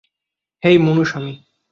হেই, Munusamy!